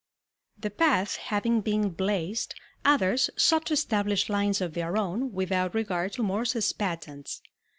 The path having been blazed, others sought to establish lines of their own without regard to Morse's patents.